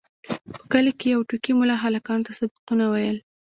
په کلي کې یو ټوکي ملا هلکانو ته سبقونه ویل.